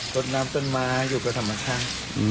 ตัดน้ำจนมาอยู่ในธรรมทาง